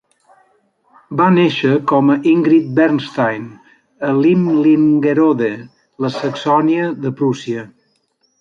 Va néixer com a Ingrid Bernstein a Limlingerode, la Saxònia de Prússia.